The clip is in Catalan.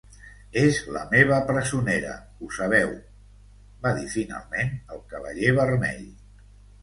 "És la meva presonera, ho sabeu!", va dir finalment el Cavaller vermell.